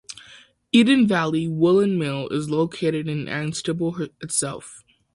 Eden Valley Woollen Mill is located in Ainstable itself.